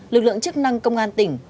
lực lượng chức năng công an tỉnh